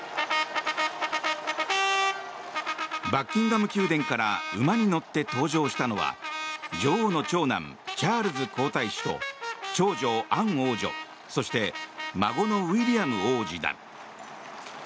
バッキンガム宮殿から馬に乗って登場したのは女王の長男チャールズ皇太子と長女アン王女そして孫のウィリアム王子だ。